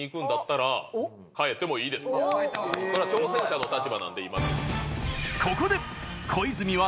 それは挑戦者の立場なんで今。